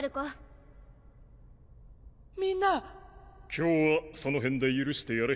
今日はそのへんで許してやれ。